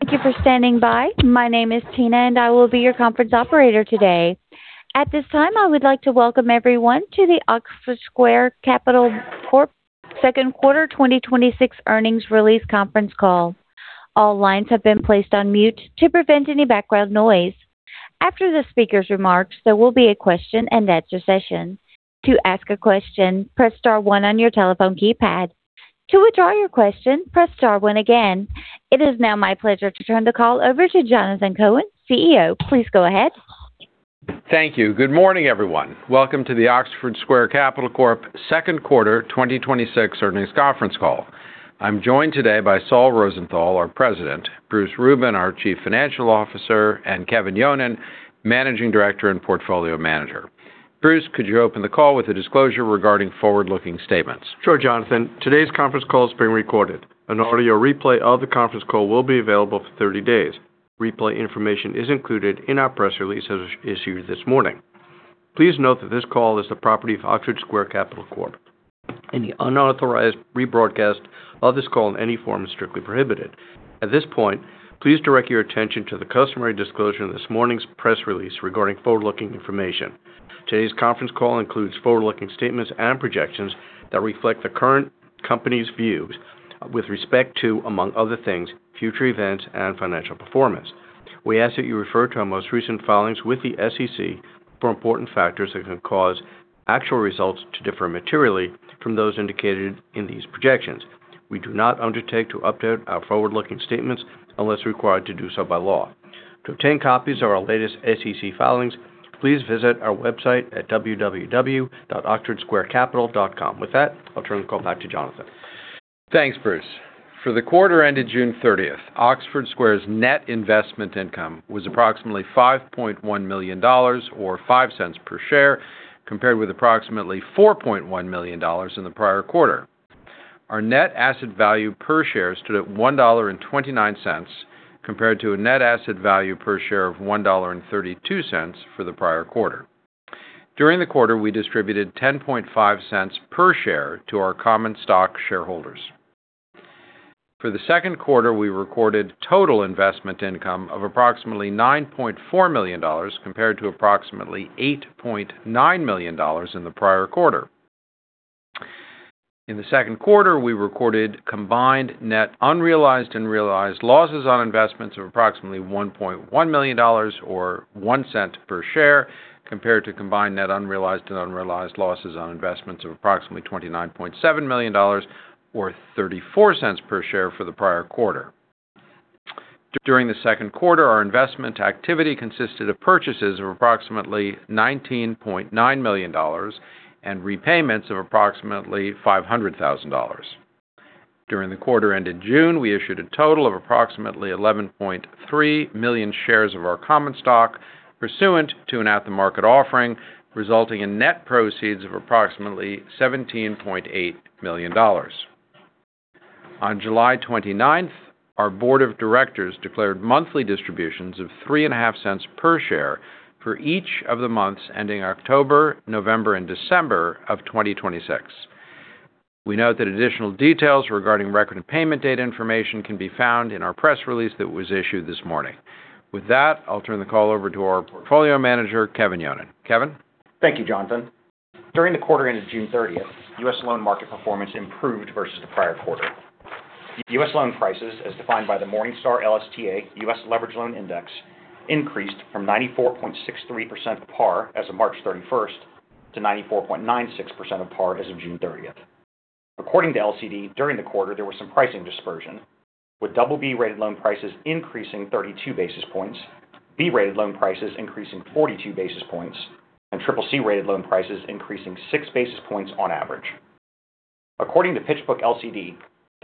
Thank you for standing by. My name is Tina, and I will be your conference operator today. At this time, I would like to welcome everyone to the Oxford Square Capital Corp second quarter 2026 earnings release conference call. All lines have been placed on mute to prevent any background noise. After the speaker's remarks, there will be a question and answer session. To ask a question, press star one on your telephone keypad. To withdraw your question, press star one again. It is now my pleasure to turn the call over to Jonathan Cohen, CEO. Please go ahead. Thank you. Good morning, everyone. Welcome to the Oxford Square Capital Corp second quarter 2026 earnings conference call. I am joined today by Saul Rosenthal, our president, Bruce Rubin, our chief financial officer, and Kevin Yonon, managing director and portfolio manager. Bruce, could you open the call with the disclosure regarding forward-looking statements? Sure, Jonathan. Today's conference call is being recorded. An audio replay of the conference call will be available for 30 days. Replay information is included in our press release as issued this morning. Please note that this call is the property of Oxford Square Capital Corp. Any unauthorized rebroadcast of this call in any form is strictly prohibited. At this point, please direct your attention to the customary disclosure in this morning's press release regarding forward-looking information. Today's conference call includes forward-looking statements and projections that reflect the current company's views with respect to, among other things, future events and financial performance. We ask that you refer to our most recent filings with the SEC for important factors that can cause actual results to differ materially from those indicated in these projections. We do not undertake to update our forward-looking statements unless required to do so by law. To obtain copies of our latest SEC filings, please visit our website at www.oxfordsquarecapital.com. With that, I will turn the call back to Jonathan. Thanks, Bruce. For the quarter ended June 30th, Oxford Square's net investment income was approximately $5.1 million, or $0.05 per share, compared with approximately $4.1 million in the prior quarter. Our net asset value per share stood at $1.29, compared to a net asset value per share of $1.32 for the prior quarter. During the quarter, we distributed $0.105 per share to our common stock shareholders. For the second quarter, we recorded total investment income of approximately $9.4 million, compared to approximately $8.9 million in the prior quarter. In the second quarter, we recorded combined net unrealized and realized losses on investments of approximately $1.1 million, or $0.01 per share, compared to combined net unrealized and unrealized losses on investments of approximately $29.7 million, or $0.34 per share for the prior quarter. During the second quarter, our investment activity consisted of purchases of approximately $19.9 million and repayments of approximately $500,000. During the quarter ended June, we issued a total of approximately 11.3 million shares of our common stock pursuant to an at-the-market offering, resulting in net proceeds of approximately $17.8 million. On July 29th, our board of directors declared monthly distributions of $0.035 per share for each of the months ending October, November, and December of 2026. We note that additional details regarding record and payment date information can be found in our press release that was issued this morning. With that, I'll turn the call over to our portfolio manager, Kevin Yonon. Kevin? Thank you, Jonathan. During the quarter ended June 30th, U.S. loan market performance improved versus the prior quarter. U.S. loan prices, as defined by the Morningstar LSTA U.S. Leveraged Loan Index, increased from 94.63% of par as of March 31st to 94.96% of par as of June 30th. According to LCD, during the quarter, there was some pricing dispersion, with BB-rated loan prices increasing 32 basis points, B-rated loan prices increasing 42 basis points, and CCC-rated loan prices increasing 6 basis points on average. According to PitchBook LCD,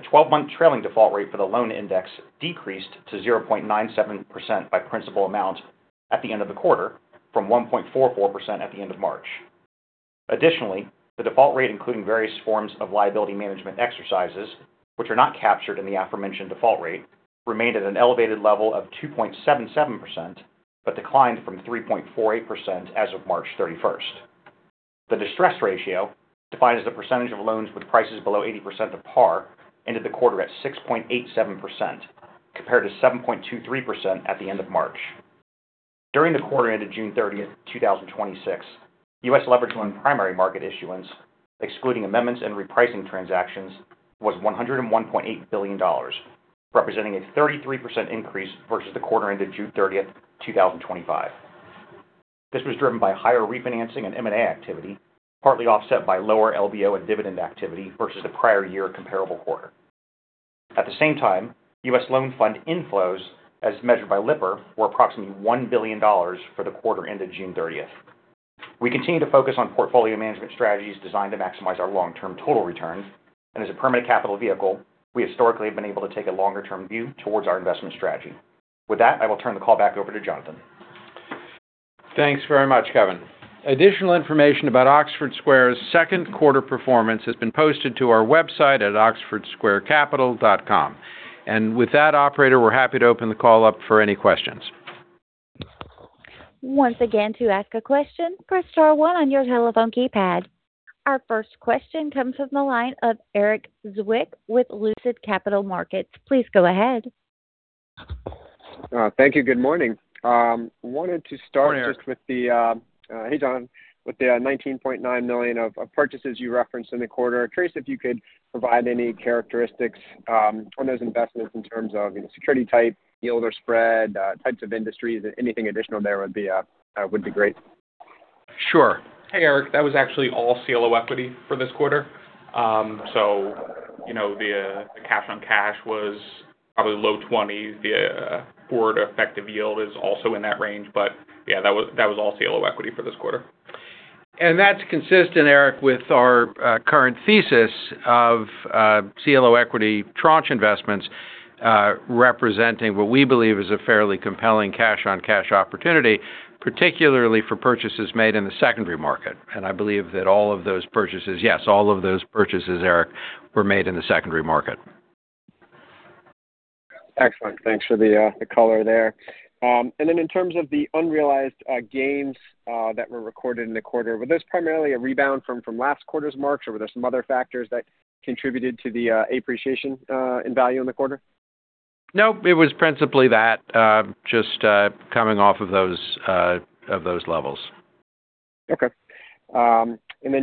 the 12-month trailing default rate for the loan index decreased to 0.97% by principal amount at the end of the quarter from 1.44% at the end of March. Additionally, the default rate, including various forms of liability management exercises, which are not captured in the aforementioned default rate, remained at an elevated level of 2.77%, but declined from 3.48% as of March 31st. The distress ratio, defined as the percentage of loans with prices below 80% of par, ended the quarter at 6.87%, compared to 7.23% at the end of March. During the quarter ended June 30th, 2026, U.S. leverage loan primary market issuance, excluding amendments and repricing transactions, was $101.8 billion, representing a 33% increase versus the quarter ended June 30th, 2025. This was driven by higher refinancing and M&A activity, partly offset by lower LBO and dividend activity versus the prior year comparable quarter. At the same time, U.S. loan fund inflows, as measured by Lipper, were approximately $1 billion for the quarter ended June 30th. We continue to focus on portfolio management strategies designed to maximize our long-term total return, as a permanent capital vehicle, we historically have been able to take a longer-term view towards our investment strategy. With that, I will turn the call back over to Jonathan. Thanks very much, Kevin. Additional information about Oxford Square's second quarter performance has been posted to our website at oxfordsquarecapital.com. With that, operator, we're happy to open the call up for any questions. Once again, to ask a question, press star one on your telephone keypad. Our first question comes from the line of Eric Zwick with Lucid Capital Markets. Please go ahead. Thank you. Good morning. I wanted to start with- Good morning, Eric. Hey, John. With the $19.9 million of purchases you referenced in the quarter, curious if you could provide any characteristics on those investments in terms of security type, yield or spread, types of industries, anything additional there would be great. Sure. Hey, Eric, that was actually all CLO equity for this quarter. The cash-on-cash was probably low 20s. The forward effective yield is also in that range. Yeah, that was all CLO equity for this quarter. That's consistent, Eric, with our current thesis of CLO equity tranche investments representing what we believe is a fairly compelling cash-on-cash opportunity, particularly for purchases made in the secondary market. I believe that all of those purchases, yes, all of those purchases, Eric, were made in the secondary market. Excellent. Thanks for the color there. In terms of the unrealized gains that were recorded in the quarter, was this primarily a rebound from last quarter's marks, or were there some other factors that contributed to the appreciation in value in the quarter? No, it was principally that, just coming off of those levels. Okay.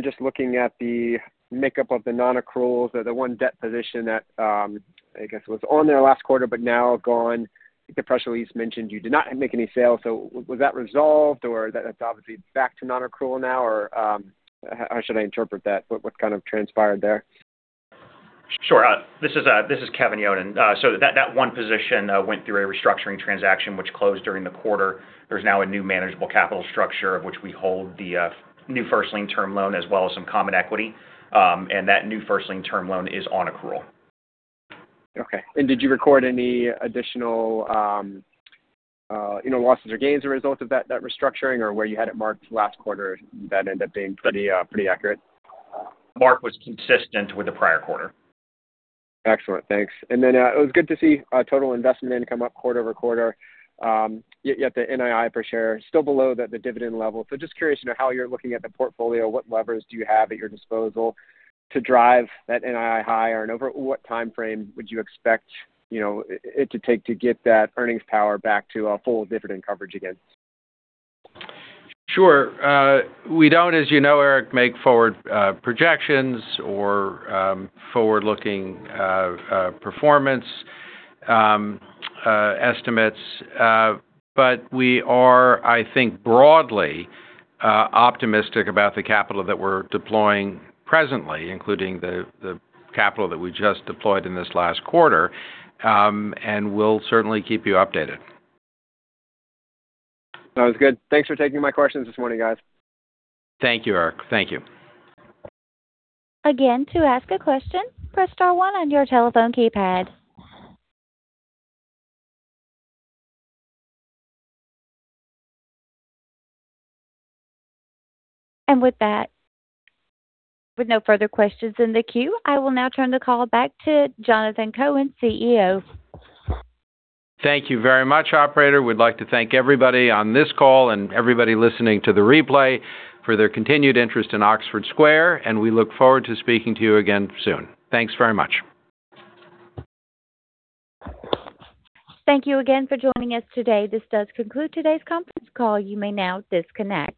Just looking at the makeup of the non-accruals or the one debt position that I guess was on there last quarter but now gone. I think the press release mentioned you did not make any sales, was that resolved or that's obviously back to non-accrual now, or how should I interpret that? What kind of transpired there? Sure. This is Kevin Yonon. That one position went through a restructuring transaction which closed during the quarter. There's now a new manageable capital structure of which we hold the new first lien term loan as well as some common equity. That new first lien term loan is on accrual. Okay. Did you record any additional losses or gains a result of that restructuring, or where you had it marked last quarter, that ended up being pretty accurate? Mark was consistent with the prior quarter. Excellent. Thanks. It was good to see total investment income up quarter-over-quarter, yet the NII per share still below the dividend level. Just curious how you're looking at the portfolio. What levers do you have at your disposal to drive that NII higher? Over what time frame would you expect it to take to get that earnings power back to a full dividend coverage again? Sure. We don't, as you know, Eric, make forward projections or forward-looking performance estimates. We are, I think, broadly optimistic about the capital that we're deploying presently, including the capital that we just deployed in this last quarter. We'll certainly keep you updated. No, it's good. Thanks for taking my questions this morning, guys. Thank you, Eric. Thank you. Again, to ask a question, press star one on your telephone keypad. With no further questions in the queue, I will now turn the call back to Jonathan Cohen, CEO. Thank you very much, operator. We'd like to thank everybody on this call and everybody listening to the replay for their continued interest in Oxford Square, and we look forward to speaking to you again soon. Thanks very much. Thank you again for joining us today. This does conclude today's conference call. You may now disconnect.